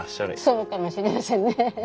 そうかもしれませんね。